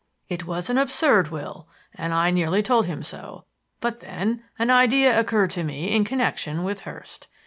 "It was an absurd will, and I nearly told him so; but then an idea occurred to me in connection with Hurst.